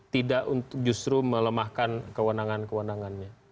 tidak justru melemahkan kewenangan kewenangannya